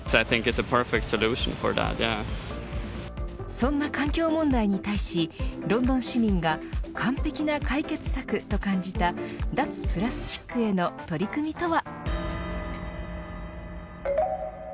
そんな環境問題に対しロンドン市民が完璧な解決策と感じた脱プラスチックへの取り組みとは。